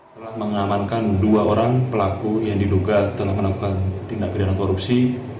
telah mengamankan dua orang pelaku yang diduga telah melakukan tindak pidana korupsi